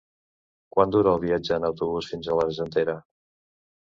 Quant dura el viatge en autobús fins a l'Argentera?